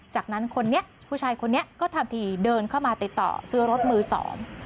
จากนั้นคนนี้ผู้ชายคนนี้ก็ทำทีเดินเข้ามาติดต่อซื้อรถมือสอง